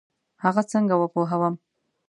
هغه څنګه وپوهوم؟